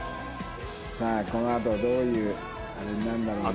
さあこのあとどういうあれになるんだろうな？